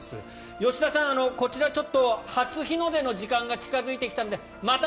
吉田さん、こちら、ちょっと初日の出の時間が近付いてきたのでまた